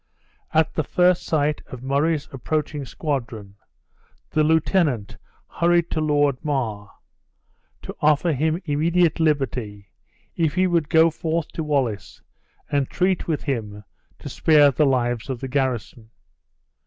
At the first sight of Murray's approaching squadron, the lieutenant hurried to Lord Mar, to offer him immediate liberty if he would go forth to Wallace and treat with him to spare the lives of the garrison.